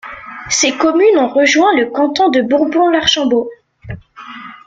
Ses communes ont rejoint le canton de Bourbon-l'Archambault.